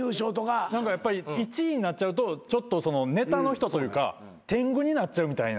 何かやっぱり１位になっちゃうとちょっとネタの人というか天狗になっちゃうみたいな。